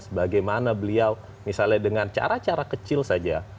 sebagaimana beliau misalnya dengan cara cara kecil saja